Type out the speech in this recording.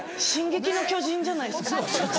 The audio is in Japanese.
『進撃の巨人』じゃないですか。